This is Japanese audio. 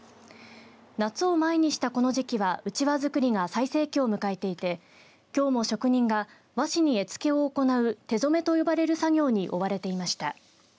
夏を前にしたこの時期はうちわ作りが最盛期を迎えていてきょうも職人が和紙に絵付けを行う手染めと呼ばれる作業に追われていました。